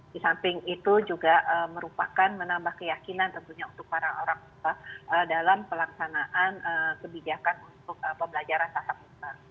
di samping itu juga merupakan menambah keyakinan tentunya untuk para orang tua dalam pelaksanaan kebijakan untuk pembelajaran tatap muka